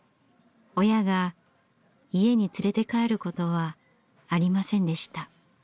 親が家に連れて帰ることはありませんでした。